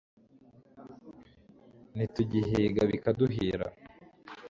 nitugihiga bikaduhira